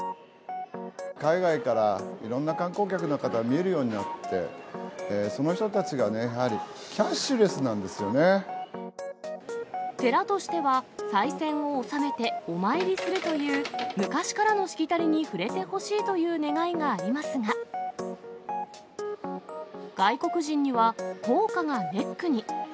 海外からいろんな観光客の方、みえるようになって、その人たちがね、やはりキャッシュレスなん寺としては、さい銭を納めて、お参りするという、昔からのしきたりに触れてほしいという願いがありますが、外国人には硬貨がネックに。